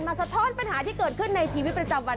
สะท้อนปัญหาที่เกิดขึ้นในชีวิตประจำวัน